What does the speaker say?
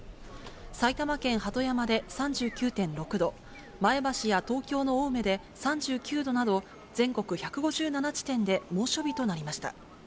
埼玉県鳩山で３９．６度、前橋や東京の青梅で３９度など、全国１５７地点で猛暑日となりました。